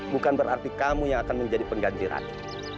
bukan berarti kamu yang akan menjadi pengganti rakyat